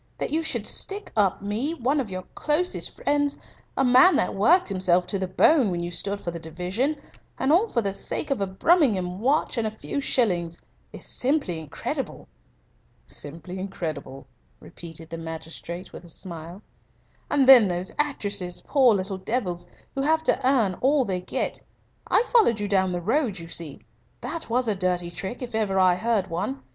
That you should stick up me, one of your closest friends, a man that worked himself to the bone when you stood for the division and all for the sake of a Brummagem watch and a few shillings is simply incredible." "Simply incredible," repeated the magistrate, with a smile. "And then those actresses, poor little devils, who have to earn all they get. I followed you down the road, you see. That was a dirty trick, if ever I heard one.